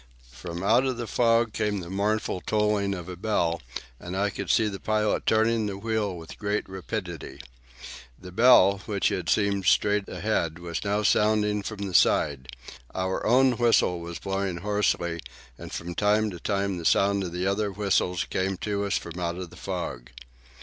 From out of the fog came the mournful tolling of a bell, and I could see the pilot turning the wheel with great rapidity. The bell, which had seemed straight ahead, was now sounding from the side. Our own whistle was blowing hoarsely, and from time to time the sound of other whistles came to us from out of the fog.